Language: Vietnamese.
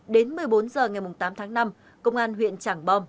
đến một mươi bốn h ngày tám tháng năm công an huyện tràng bòm